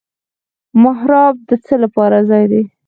محراب د څه ځای دی؟